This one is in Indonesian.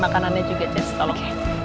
makanannya juga jess tolong